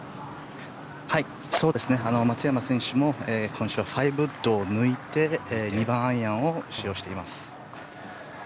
松山選手も今週は５ウッドを抜いて２番アイアンを使用しています。